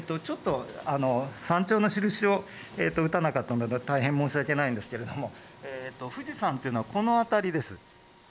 山頂の印を打たなかったので大変申し訳ないんですけれども、富士山というのはこの辺りです。